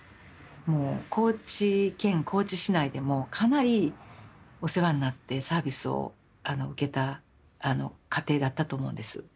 もう高知県高知市内でもかなりお世話になってサービスを受けた家庭だったと思うんです。